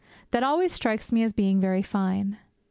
That always strikes me as being very fine.